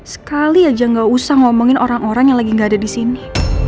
sekali aja gak usah ngomongin orang orang yang lagi gak ada disini